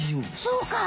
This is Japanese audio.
そうか。